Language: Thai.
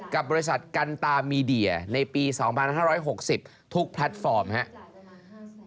กับบริษัทกันตามีเดียในปี๒๕๖๐ทุกแพลตฟอร์มครับ